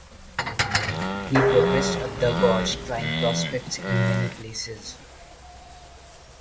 He progressed up the gorge trying prospects in many places.